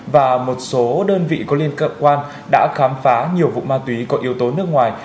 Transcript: và một số đơn vị có liên cơ quan đã khám phá nhiều vụ ma túy có yếu tố nước ngoài